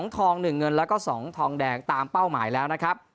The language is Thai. ทอง๑เงินแล้วก็๒ทองแดงตามเป้าหมายแล้วนะครับ